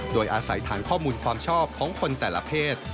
โดยอาศัยฐานข้อมูลความชอบของคนแต่ละเพศ